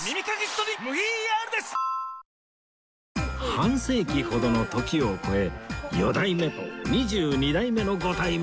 半世紀ほどの時を超え四代目と二十二代目のご対面